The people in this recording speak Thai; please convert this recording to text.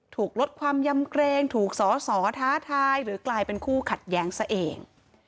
ลดความยำเกรงถูกสอสอท้าทายหรือกลายเป็นคู่ขัดแย้งซะเอง